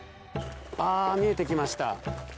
見えてきました。